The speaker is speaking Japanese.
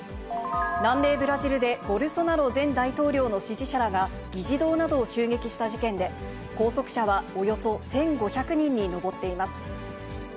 南米ブラジルで、ボルソナロ前大統領の支持者らが議事堂などを襲撃した事件で、拘束者はおよそ１５００人に上っています。